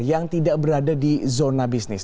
yang tidak berada di zona bisnis